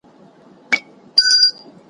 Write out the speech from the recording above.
د خلکو کورونو ته اورونه اچولي ,